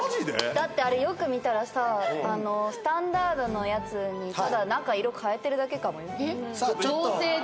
だってあれよく見たらさスタンダードのやつにただ中色変えてるだけかもよえっ合成で？